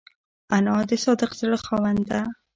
انا د صادق زړه خاوند ده